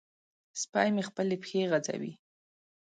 سپی مې خپلې پښې غځوي.